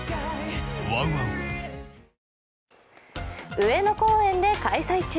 上野公園で開催中。